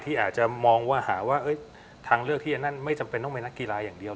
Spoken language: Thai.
อาจจะมองว่าหาว่าทางเลือกที่อันนั้นไม่จำเป็นต้องเป็นนักกีฬาอย่างเดียว